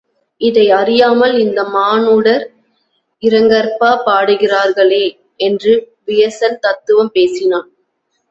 இதை அறியாமல் இந்த மானுடர் இரங்கற்பா பாடுகிறார்களே! என்று விசயன் தத்துவம் பேசினான்.